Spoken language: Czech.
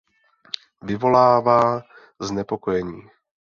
Vyvolává znepokojení.